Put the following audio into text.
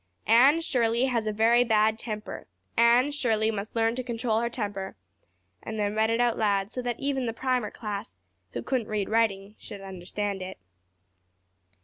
"Ann Shirley has a very bad temper. Ann Shirley must learn to control her temper," and then read it out loud so that even the primer class, who couldn't read writing, should understand it.